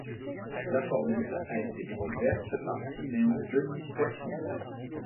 La formule a été découverte par Siméon Denis Poisson.